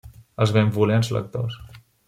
Als benvolents lectors.